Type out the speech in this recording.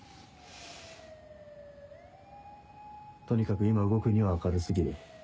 とにかく今動くには明る過ぎる。